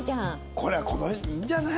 これはいいんじゃない？